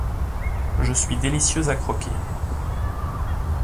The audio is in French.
Je suis délicieuse à croquer.